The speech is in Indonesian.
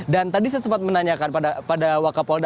dan tadi saya sempat menanyakan pada wakapolda